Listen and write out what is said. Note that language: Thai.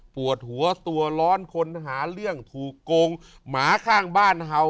ปวดหัวตัวร้อนคนหาเรื่องถูกโกงหมาข้างบ้านเห่า